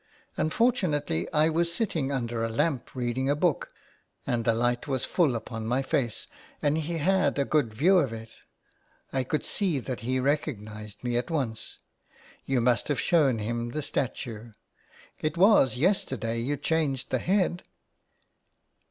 Unfortunately, I was sitting under a lamp reading a book, and the light was full upon my face, and he had a good view of it. I could see that he recognised me at once. You must have shown him the statue. It was yesterday you changed the head."